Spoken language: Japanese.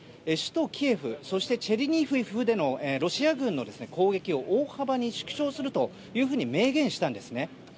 首都キエフそしてチェルニヒウでのロシア軍の攻撃を大幅に縮小すると明言したんですね。